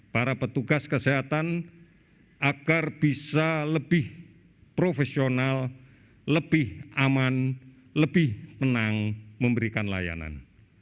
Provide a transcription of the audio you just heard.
para petugas kesehatan agar bisa lebih profesional lebih aman lebih menang memberikan layanan